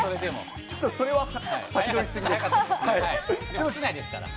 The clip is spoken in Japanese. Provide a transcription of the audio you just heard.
ちょっとそれは、先取りし過室内ですから。